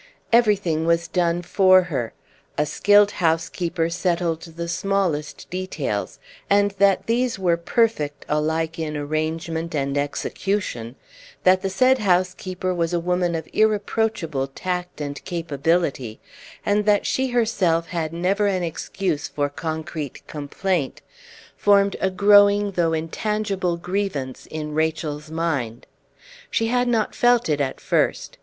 Everything was done for her; a skilled housekeeper settled the smallest details; and that these were perfect alike in arrangement and execution, that the said housekeeper was a woman of irreproachable tact and capability, and that she herself had never an excuse for concrete complaint, formed a growing though intangible grievance in Rachel's mind. She had not felt it at first.